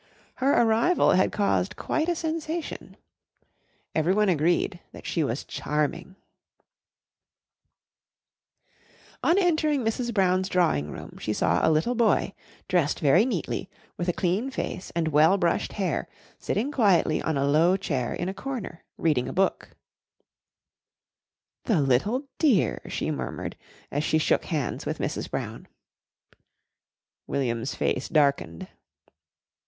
Her arrival had caused quite a sensation. Everyone agreed that she was "charming." [Illustration: MRS. DE VERE CARTER PRESSED WILLIAM'S HEAD TO HER BOSOM.] On entering Mrs. Brown's drawing room, she saw a little boy, dressed very neatly, with a clean face and well brushed hair, sitting quietly on a low chair in a corner reading a book. "The little dear!" she murmured as she shook hands with Mrs. Brown. William's face darkened.